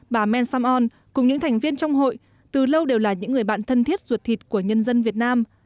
bà men sam on cùng những thành viên trong hội từ lâu đều là những người bạn thân thiết ruột thịt của nhân dân việt nam